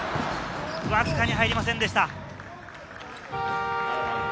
わずかに入りませんでした。